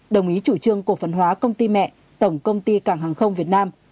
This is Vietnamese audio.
đồng ý chủ trương cổ phần hóa công ty mẹ tổng công ty cảng hàng không việt nam